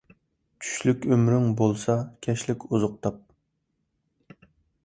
چۈشلۈك ئۆمرۈڭ بولسا، كەچلىك ئوزۇق تاپ.